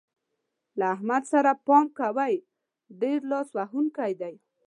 له احمد سره پام کوئ؛ ډېر لاس وهونکی دی.